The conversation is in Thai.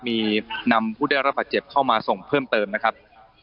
มีนำผู้ได้รับบาดเจ็บเข้ามาส่งเพิ่มเติมนะครับ